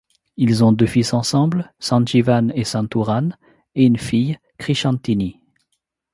Ils ont deux fils ensemble, Sanjeevan et Senthuran; et une fille, Krishanthini.